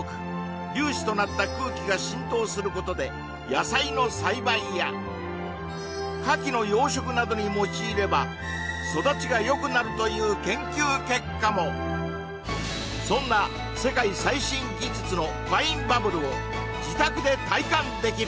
粒子となった空気が浸透することで野菜の栽培や牡蠣の養殖などに用いればそんな世界最新技術のファインバブルを自宅で体感できる！